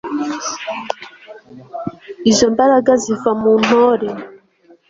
izo mbaraga ziva mu ntore